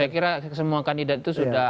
saya kira semua kandidat itu sudah ada nanti